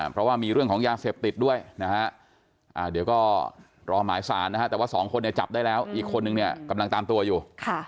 เพราะว่ามีเรื่องของยาเสพติดด้วยนะฮะเดี๋ยวก็รอหมายสารนะฮะแต่ว่าสองคนเนี่ยจับได้แล้วอีกคนนึงเนี่ยกำลังตามตัวอยู่